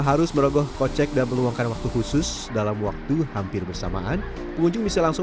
harus merogoh kocek dan meluangkan waktu khusus dalam waktu hampir bersamaan pengunjung bisa langsung